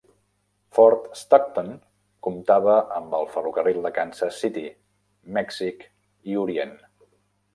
Fort Stockton comptava amb el ferrocarril de Kansas City, Mèxic i Orient.